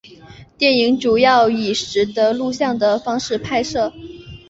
电影主要以拾得录像的方式拍摄。